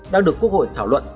đang được quốc hội thảo luận